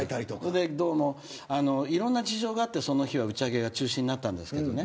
で、どうもいろんな事情があってその日は打ち上げが中止になったんですけどね。